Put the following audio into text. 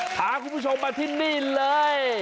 พาคุณผู้ชมมาที่นี่เลย